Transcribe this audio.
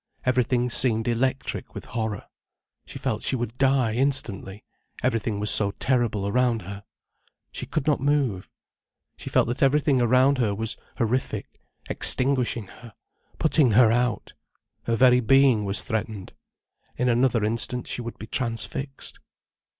Everything seemed electric with horror. She felt she would die instantly, everything was so terrible around her. She could not move. She felt that everything around her was horrific, extinguishing her, putting her out. Her very being was threatened. In another instant she would be transfixed.